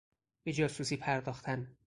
به جاسوسی پرداختن